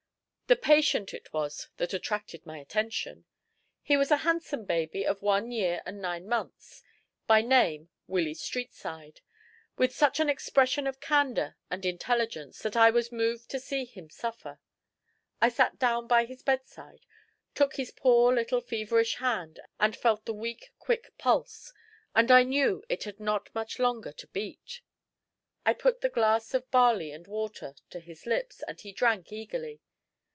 The patient it was that attracted my attention. He was a handsome baby of one year and nine months by name Willy Streetside with such an expression of candour and intelligence that I was moved to see him suffer. I sat down by his bedside, took his poor little feverish hand, and felt the weak quick pulse, and knew it had not much longer to beat. I put the glass of barley and water to his lips, and he drank eagerly.